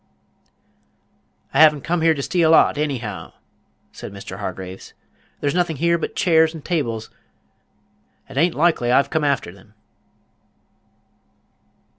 "I have n't come to steal owght, anyhow," said Mr. Hargraves; "there's nothing here but chairs and tables, and 't a'n't loikely I've come arter them."